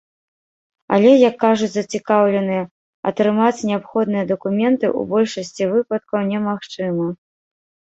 Але, як кажуць зацікаўленыя, атрымаць неабходныя дакументы ў большасці выпадкаў немагчыма.